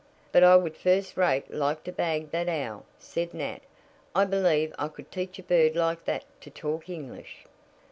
"But I would first rate like to bag that owl," said Nat. "I believe I could teach a bird like that to talk English."